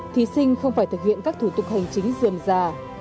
thí sinh không phải thực hiện các thủ tục hành chính dườm già